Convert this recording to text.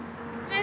え